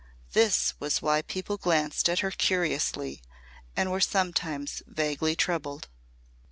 This was why people glanced at her curiously and were sometimes vaguely troubled.